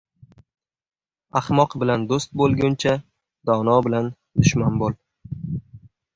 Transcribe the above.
• Ahmoq bilan do‘st bo‘lguncha, dono bilan dushman bo‘l.